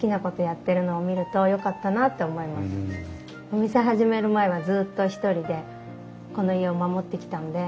お店始める前はずっと一人でこの家を守ってきたので。